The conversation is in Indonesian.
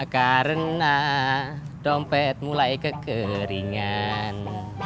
karena dompet mulai kekeringan